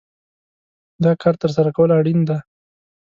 دا کار ترسره کول اړين دي.